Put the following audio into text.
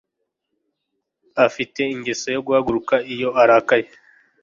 Afite ingeso yo guhaguruka iyo arakaye